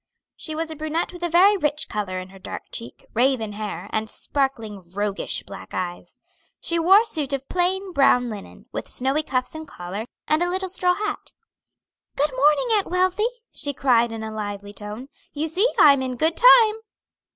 She was a brunette with a very rich color in her dark cheek, raven hair, and sparkling, roguish black eyes. She wore a suit of plain brown linen, with snowy cuffs and collar, and a little straw hat. "Good morning, Aunt Wealthy!" she cried, in a lively tone, "You see I'm in good time."